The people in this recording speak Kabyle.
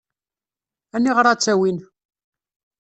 Aniɣer ad tt-awin?